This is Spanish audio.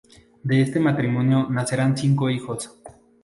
De este matrimonio nacerán cinco hijos.